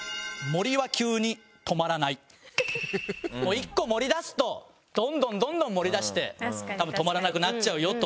一個盛りだすとどんどんどんどん盛りだして多分止まらなくなっちゃうよと。